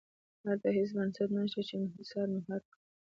هلته هېڅ بنسټ نه شته چې انحصار مهار کړي.